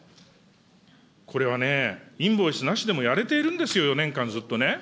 これはね、インボイスなしでもやれているんですよ、４年間ずっとね。